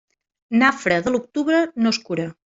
Nafra de l'octubre no es cura.